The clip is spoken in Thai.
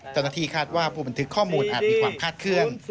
เจ้าหน้าที่คาดว่าผู้บันทึกข้อมูลอาจมีความคาดเคลื่อน